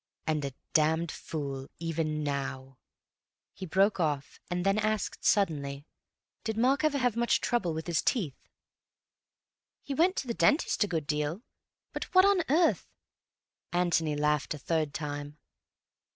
"And a damned fool. Even now—" He broke off and then asked suddenly, "Did Mark ever have much trouble with his teeth?" "He went to his dentist a good deal. But what on earth—" Antony laughed a third time.